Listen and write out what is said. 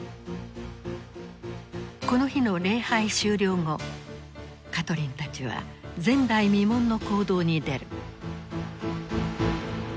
この日の礼拝終了後カトリンたちは前代未聞の行動に出る。